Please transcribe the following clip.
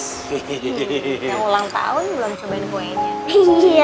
yang ulang tahun belum cobain poinnya